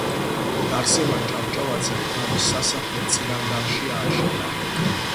გარსევან ჭავჭავაძემ თავისი სასახლე წინანდალში ააშენა.